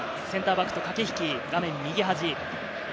センターバックと駆け引き、画面右端。